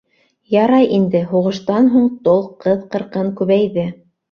Ярай инде, һуғыштан һуң тол ҡыҙ-ҡырҡын күбәйҙе.